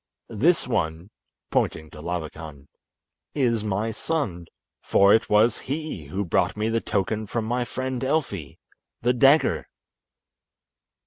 This one" (pointing to Labakan) "is my son, for it was he who brought me the token from my friend Elfi—the dagger."